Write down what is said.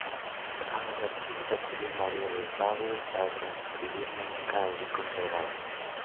A los archivos acudió María de Pablos para transcribir música allí conservada.